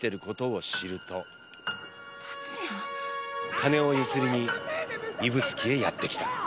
金をゆすりに指宿へやって来た。